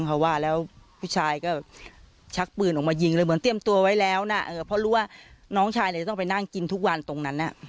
เขาเคยมีเรื่องมีปัญหาอะไรกันบ้าง